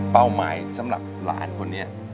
หมายสำหรับหลานคนนี้